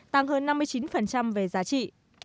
tăng hơn năm mươi chín về giá trị